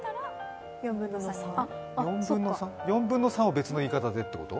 ４分の３を別の言い方でってこと？